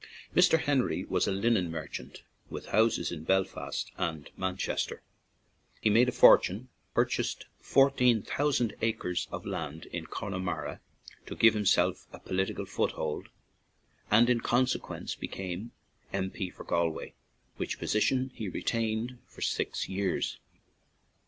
Mr. Henry was a linen merchant, with houses in Belfast and Manchester; he made a fortune, purchased fourteen thou sand acres of land in Connemara to give himself a political foothold, and in con sequence became M. P. for Galway, which position he retained for six years.